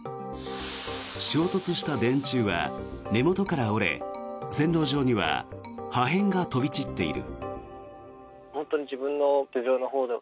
衝突した電柱は根元から折れ線路上には破片が飛び散っている。